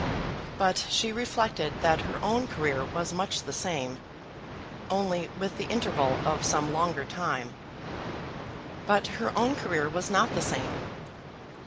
But she reflected that her own career was much the same, only with the interval of some longer time. But her own career was not the same.